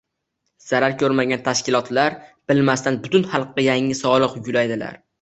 Zarar ko'rmagan tashkilotlar bilmasdan butun xalqqa yangi soliq yuklaydilar